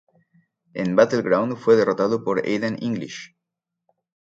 En Battleground fue derrotado por Aiden English.